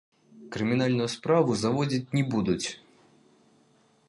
Крымінальную справу заводзіць не будуць.